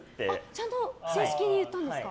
ちゃんと正式に言ったんですか。